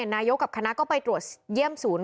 นายกกับคณะก็ไปตรวจเยี่ยมศูนย์